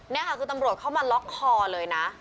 นี่ค่ะคือตำรวจเข้ามาล็อกคอเลยนะ